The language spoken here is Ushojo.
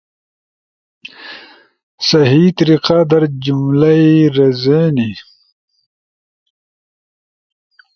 صحیح طریقہ در جملے رزینی؟